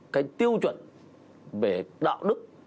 cái tiêu chuẩn về đạo đức